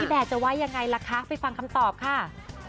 พี่แบร์จะไหว้ยังไงล่ะคะไปฟังคำตอบค่ะ